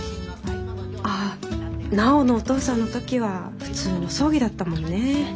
ああ奈緒のお父さんのときは普通の葬儀だったもんね。